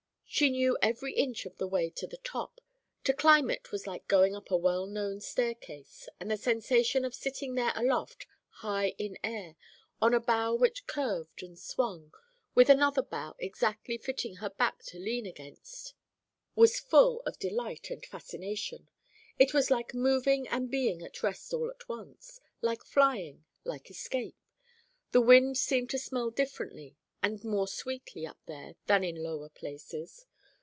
She knew every inch of the way to the top; to climb it was like going up a well known staircase, and the sensation of sitting there aloft, high in air, on a bough which curved and swung, with another bough exactly fitting her back to lean against, was full of delight and fascination. It was like moving and being at rest all at once; like flying, like escape. The wind seemed to smell differently and more sweetly up there than in lower places.